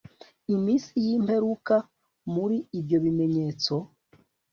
iminsi y imperuka Muri ibyo bimenyetso